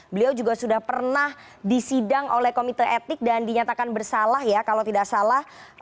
beliau juga sudah pernah disidang oleh komite etik dan dinyatakan bersalah ya kalau tidak salah